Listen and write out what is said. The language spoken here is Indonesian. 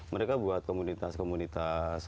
mereka buat komunitas komunitas